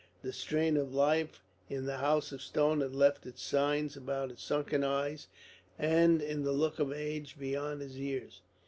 The strain of life in the House of Stone had left its signs about his sunken eyes and in the look of age beyond his years.